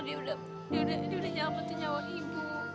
dia udah nyelamatkan nyawa ibu